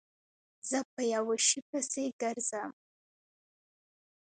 زه په یوه شي پسې گرځم